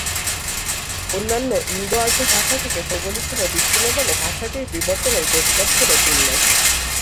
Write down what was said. অন্যান্য ইন্দো-আর্য ভাষা থেকে ভৌগলিকভাবে বিচ্ছিন্ন বলে ভাষাটির বিবর্তনের গতিপথ ছিল ভিন্ন।